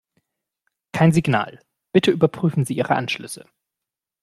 Kein Signal. Bitte überprüfen Sie Ihre Anschlüsse.